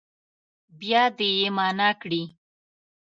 بیا دې يې معنا کړي.